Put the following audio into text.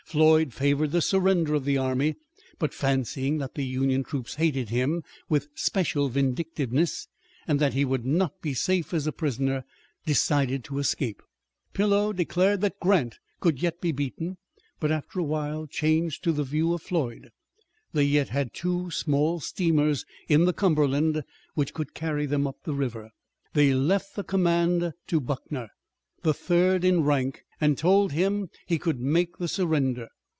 Floyd favored the surrender of the army, but fancying that the Union troops hated him with special vindictiveness, and that he would not be safe as a prisoner, decided to escape. Pillow declared that Grant could yet be beaten, but after a while changed to the view of Floyd. They yet had two small steamers in the Cumberland which could carry them up the river. They left the command to Buckner, the third in rank, and told him he could make the surrender.